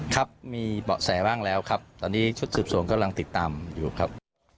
ครับมีเบาะแสบ้างแล้วครับตอนนี้ชุดสืบสวนกำลังติดตามอยู่ครับ